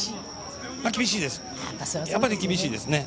やっぱり厳しいですね。